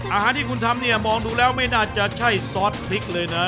อาหารที่คุณทำเนี่ยมองดูแล้วไม่น่าจะใช่ซอสพริกเลยนะ